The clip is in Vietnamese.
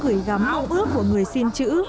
để thể hiện hết những gửi gắm mong ước của người xin chữ